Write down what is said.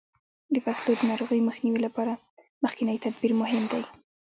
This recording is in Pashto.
د فصلو د ناروغیو مخنیوي لپاره مخکینی تدبیر مهم دی.